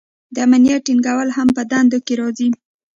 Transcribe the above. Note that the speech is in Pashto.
د امنیت ټینګول هم په دندو کې راځي.